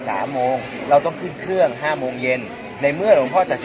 สวัสดีครับพี่เบนสวัสดีครับ